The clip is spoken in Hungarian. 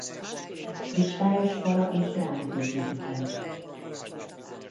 Kristályos pala és gránit építi fel.